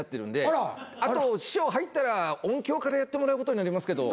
あと師匠入ったら音響からやってもらうことになりますけど。